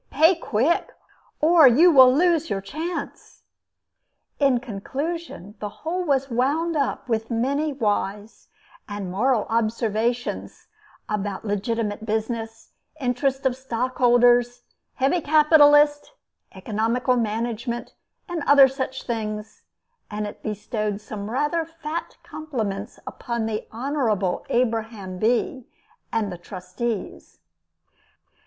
Pay quick! Or you will lose your chance! In conclusion the whole was wound up with many wise and moral observations about legitimate business, interests of stockholders, heavy capitalists, economical management, and other such things; and it bestowed some rather fat compliments upon the honorable Abraham Bee and the Trustees.